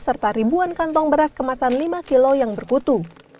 serta ribuan kantong beras kemasan lima kilo yang berfoto